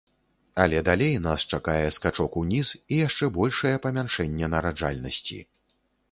Але далей нас чакае скачок уніз і яшчэ большае памяншэнне нараджальнасці.